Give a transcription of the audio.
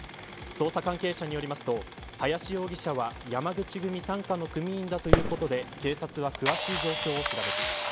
捜査関係者によりますと林容疑者は、山口組傘下の組員だということで警察は詳しい状況を調べています。